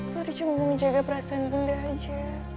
mari cuma menjaga perasaan bunda aja